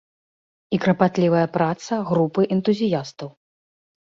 І карпатлівая праца групы энтузіястаў.